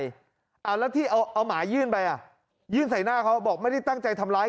แล้วที่เอาเอาหมายื่นไปอ่ะยื่นใส่หน้าเขาบอกไม่ได้ตั้งใจทำร้าย